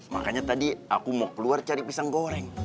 makanya tadi aku mau keluar cari pisang goreng